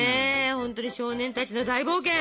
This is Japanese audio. ほんとに少年たちの大冒険。